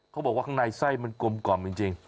เขาบอกว่าข้างในไส้มันกลมกล่อมจริง